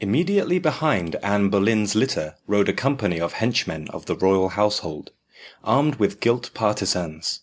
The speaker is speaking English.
Immediately behind Anne Boleyn's litter rode a company of henchmen of the royal household, armed with gilt partisans.